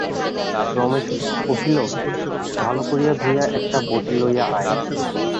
রমেশ কহিল, ভালো করিয়া ধুইয়া একটা বঁটি লইয়া আয়।